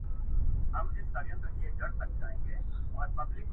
ماما خېل یې په ځنګله کي یابوګان وه؛